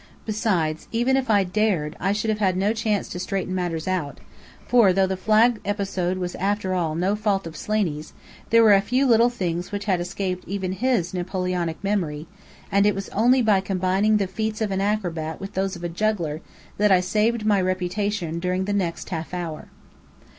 Besides, even if I'd dared, I should have had no chance to straighten matters out; for though the flag episode was after all no fault of Slaney's, there were a few little things which had escaped even his Napoleonic memory; and it was only by combining the feats of an acrobat with those of a juggler that I saved my reputation during the next half hour.